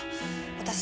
私